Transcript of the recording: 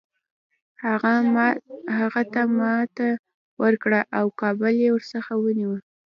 هغه ته ماته ورکړه او کابل یې ورڅخه ونیوی.